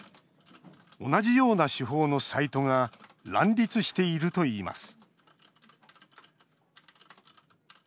同じような手法のサイトが乱立しているといいます